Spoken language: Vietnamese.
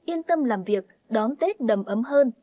yên tâm làm việc đón tết đầm ấm hơn